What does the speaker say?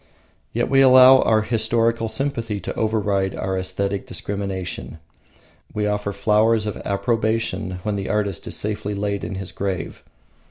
Yet we allow our historical sympathy to override our aesthetic discrimination. We offer flowers of approbation when the artist is safely laid in his grave.